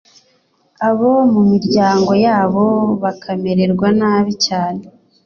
abo mu miryango yabo bakamererwa nabi cyane